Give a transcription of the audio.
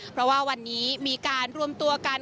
เพราะว่าวันนี้มีการรวมตัวกัน